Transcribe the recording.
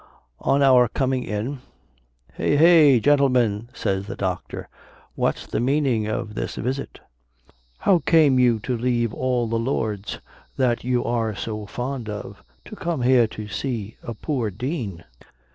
On our coming in, "Hey day, gentlemen (says the Doctor), what's the meaning of this visit? How came you to leave all the Lords that you are so fond of, to come here to see a poor Dean?"